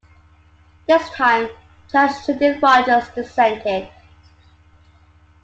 This time Judge Judith Rogers dissented.